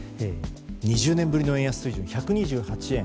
２０年ぶりの円安水準、１２８円